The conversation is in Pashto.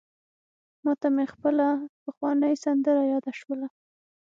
ماته مي خپله پخوانۍ سندره یاده سوله: